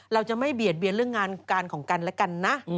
เราจะไม่เบียดเบียนเรื่องงานการของกันและกันนะ